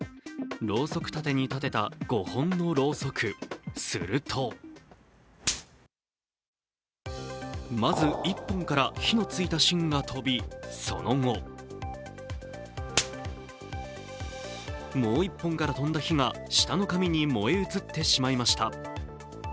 ろうそく立てに立てた５本のろうそく、するとまず１本から火のついた芯が飛び、その後もう１本から飛んだ火が下の紙に燃え移ってしまいました。